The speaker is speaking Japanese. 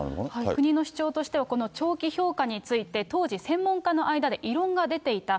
国の主張としては、この長期評価について、当時、専門家の間で異論が出ていた。